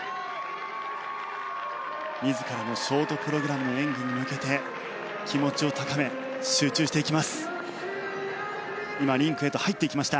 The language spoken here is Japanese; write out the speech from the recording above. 自らのショートプログラムの演技に向けて気持ちを高め集中していきます。